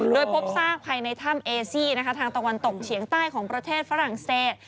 โดยพบซากภายในถ้ำเอซี่นะคะทางตะวันตกเฉียงใต้ของประเทศฝรั่งเศส